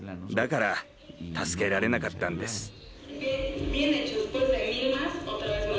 だから助けられなかったんです。